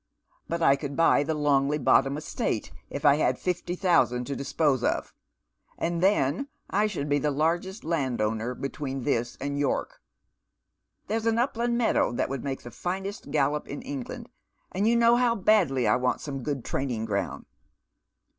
" But I could buy the Longley Bottom Estate if I had fifty thousand to dispose of, and then I should be the largest landowner between this and York. There's an upland meadow that would make the finest gallop in England, and you know how badly I want some good training ground."